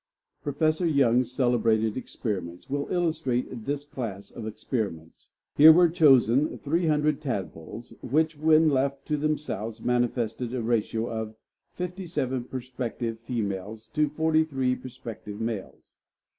Professor Yung's celebrated experiments will illustrate this class of experiments. Here were chosen 300 tadpoles, which when left to themselves manifested a ratio of 57 prospective females to 43 prospective males.